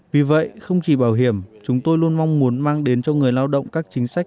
vì vậy không chỉ bảo hiểm chúng tôi luôn mong muốn mang đến cho người lao động các chính sách